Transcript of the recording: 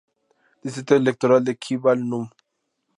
Distrito electoral de Kimball No.